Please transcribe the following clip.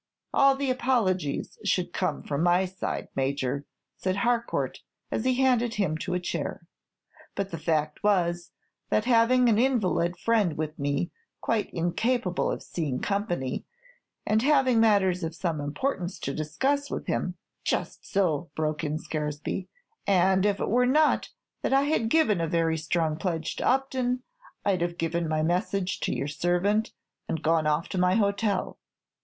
"All the apologies should come from my side, Major," said Harcourt, as he handed him to a chair; "but the fact was, that having an invalid friend with me, quite incapable of seeing company, and having matters of some importance to discuss with him " "Just so," broke in Scaresby; "and if it were not that I had given a very strong pledge to Upton, I 'd have given my message to your servant, and gone off to my hotel.